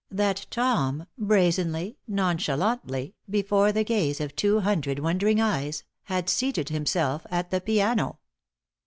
that Tom brazenly, nonchalantly, before the gaze of two hundred wondering eyes, had seated himself at the piano.